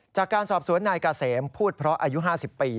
จากการสอบสวนนายเกษมพูดเพราะอายุ๕๐ปี